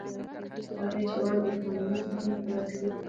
تر هغې چې واک د کمونېست ګوند په لاس کې و